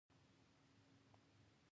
د کابل په شکردره کې د څه شي نښې دي؟